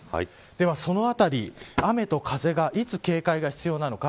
では、そのあたり雨と風がいつ警戒が必要なのか。